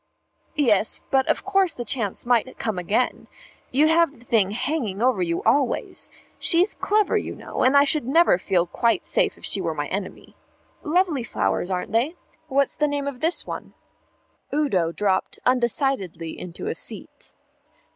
"Yes, but of course the chance might come again. You'd have the thing hanging over you always. She's clever, you know; and I should never feel quite safe if she were my enemy. ... Lovely flowers, aren't they? What's the name of this one?" Udo dropped undecidedly into a seat.